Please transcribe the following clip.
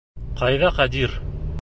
Ҡайҙа Ҡадир?